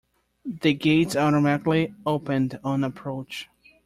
The gates automatically opened on approach.